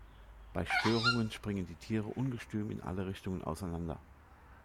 Bei Störungen springen die Tiere ungestüm in alle Richtungen auseinander.